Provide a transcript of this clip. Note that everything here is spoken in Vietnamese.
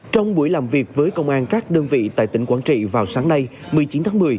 trong buổi làm việc với công an các đơn vị tại tỉnh quảng trị vào sáng nay một mươi chín tháng một mươi